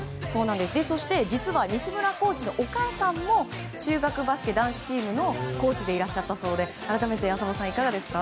そして、実は西村コーチのお母さんも中学バスケ男子チームのコーチでいらっしゃったそうで改めて、浅尾さんいかがですか？